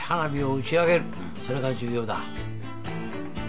それが重要だ。